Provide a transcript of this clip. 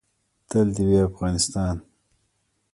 تل دې وي افغانستان